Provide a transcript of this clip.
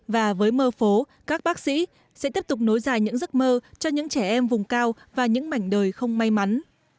và với mơ phố các bác sĩ sẽ tiếp tục nối dài những giấc mơ cho những trẻ em vùng cao và những mảnh đời không may mắn